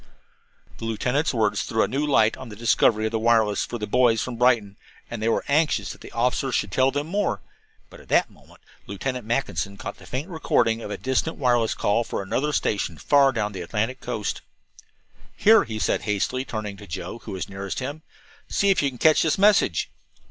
The lieutenant's words threw a new light on the history of the wireless for the boys from Brighton, and they were anxious that the officer should tell them more; but at that moment Lieutenant Mackinson caught the faint recording of a distant wireless call for another station, far down the Atlantic coast. "Here," he said hastily, turning to Joe, who was nearest him, "see if you can catch this message."